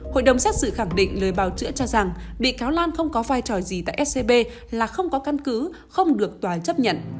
hội đồng xét xử khẳng định lời bào chữa cho rằng bị cáo lan không có vai trò gì tại scb là không có căn cứ không được tòa chấp nhận